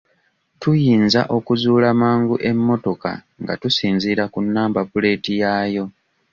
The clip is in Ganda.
Tuyinza okuzuula mangu emmotoka nga tusinziira ku nnamba puleeti yaayo.